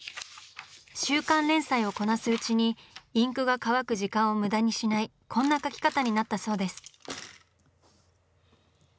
週刊連載をこなすうちにインクが乾く時間を無駄にしないこんな描き方になったそうです。